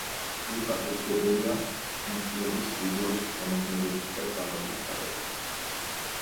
იგი პასუხისმგებელია შემსრულებლის ვიდეოს შემოქმედებით და დრამატულ მხარეებზე.